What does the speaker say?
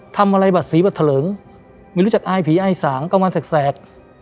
ทำอะไรบัดสีบัดเถลงไม่รู้จักอายผีอายสางกล้องมันแสกแสก